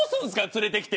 連れてきて。